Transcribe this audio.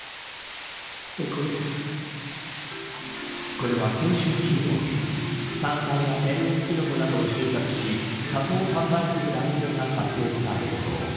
これは先週金曜日山菜や天然キノコなどを収穫し加工・販売する男性が撮影した映像。